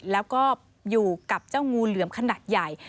แล้วก็อยู่กับเจ้างูเหลือมขนาดใหญ่